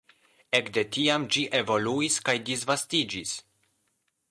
Ekde tiam ĝi evoluis kaj disvastiĝis.